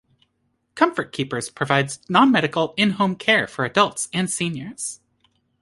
Comfort Keepers provides non-medical, in-home care for adults and seniors.